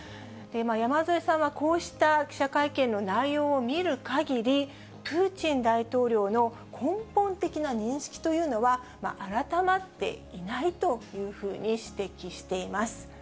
山添さんはこうした記者会見の内容を見るかぎり、プーチン大統領の根本的な認識というのは、改まっていないというふうに指摘しています。